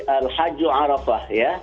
itu arafah ya